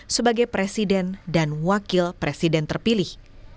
sebagai presiden dan wakil presiden terpilih